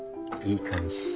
いい感じ。